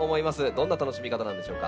どんな楽しみ方なんでしょうか？